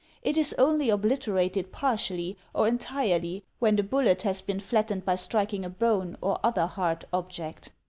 It is only obliterated partially or entirely when the bullet has been flattened by striking a bone or other hard object.